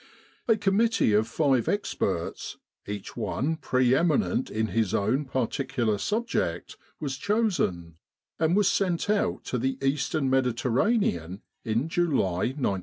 A com mittee of five experts, each one pre eminent in his own particular subject, was chosen, and was sent out to the Eastern Mediterranean in July, 1915.